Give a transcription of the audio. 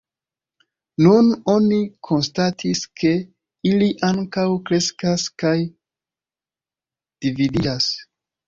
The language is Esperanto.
Nun oni konstatis, ke ili ankaŭ kreskas kaj dividiĝas.